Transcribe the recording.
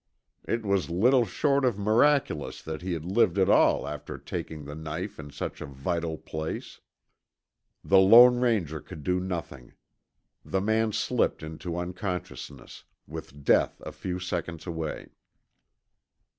It was little short of miraculous that he had lived at all after taking the knife in such a vital place. The Lone Ranger could do nothing. The man slipped into unconsciousness, with death a few seconds away.